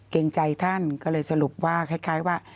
เกรงใจท่านก็เลยสรุปว่าคล้ายว่า